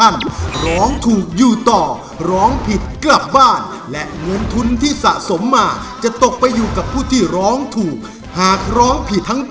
น้องเพลงและคุณชายเล็กร้อง